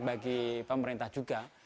bagi pemerintah juga